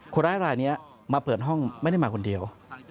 คนร้ายรายนี้มาเปิดห้องไม่ได้มาคนเดียว